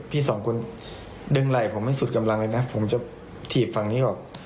พี่สองคนดึงไหล่ผมให้สุดกำลังเลยนะผมจะถีบฝั่งนี้ออก